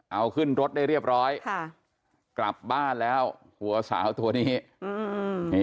เอาขึ้นรถได้เรียบร้อยค่ะกลับบ้านแล้วหัวสาวตัวนี้อืม